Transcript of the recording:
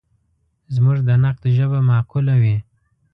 زموږ د نقد ژبه معقوله وي.